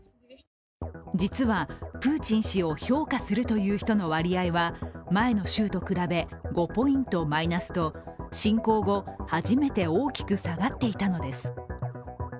実は、プーチン氏を評価するという人の割合は前の週と比べ５ポイントマイナスと侵攻後、初めて大きく下がっていたのです。